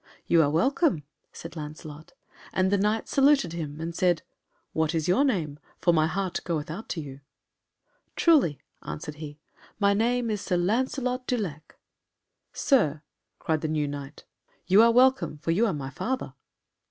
"You are welcome," said Lancelot, and the Knight saluted him and said, "What is your name? for my heart goeth out to you." "Truly," answered he, "my name is Sir Lancelot du Lake." "Sir," said the new Knight, "you are welcome, for you are my father."